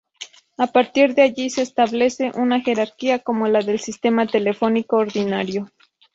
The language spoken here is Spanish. A partir de allí se establece una jerarquía como la del sistema telefónico ordinario.